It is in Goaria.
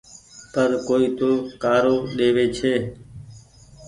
پر ڪوئي تو کآرو ۮيوي ڇي۔